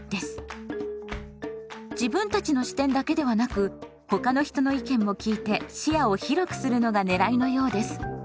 自分たちの視点だけではなく他の人の意見も聞いて視野を広くするのがねらいのようです。